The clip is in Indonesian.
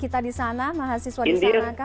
kita di sana mahasiswa di sana kah